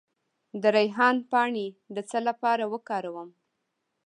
د ریحان پاڼې د څه لپاره وکاروم؟